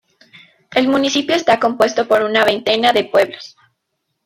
El municipio está compuesto por una veintena de pueblos.